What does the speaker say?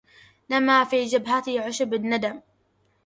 نما في جبهتي عشب الندمْ